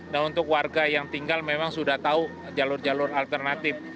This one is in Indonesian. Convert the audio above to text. nah untuk warga yang tinggal memang sudah tahu jalur jalur alternatif